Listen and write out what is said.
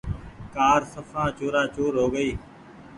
ڪآر سڦان چورآ چور هو گئي ۔